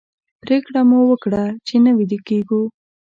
پرېکړه مو وکړه چې نه ویده کېږو.